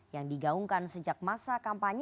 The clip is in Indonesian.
yang digaungkan sejak masa kampanye